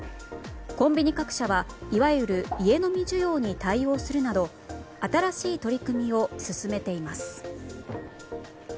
コンビニ各社はいわゆる家飲み需要に対応するなど新しい取り組みを進めています。